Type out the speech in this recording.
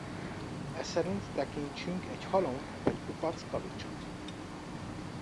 Eszerint tekintsünk egy halom vagy kupac kavicsot.